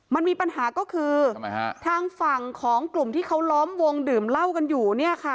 มันมีปัญหาก็คือทำไมฮะทางฝั่งของกลุ่มที่เขาล้อมวงดื่มเหล้ากันอยู่เนี่ยค่ะ